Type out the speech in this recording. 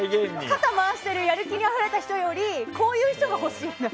肩回してる、やる気ある人よりこういう人が欲しいんだ。